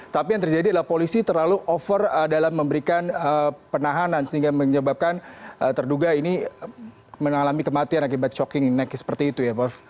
tapi yang terjadi adalah polisi terlalu over dalam memberikan penahanan sehingga menyebabkan terduga ini mengalami kematian akibat shocking next seperti itu ya prof